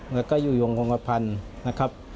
และก็อยู่ยวงควรพันธุ์นะครับ